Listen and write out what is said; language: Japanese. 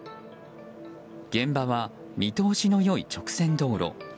現場は見通しの良い直線道路。